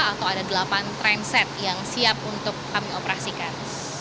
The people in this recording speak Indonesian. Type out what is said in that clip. atau ada delapan transit yang siap untuk kami operasikan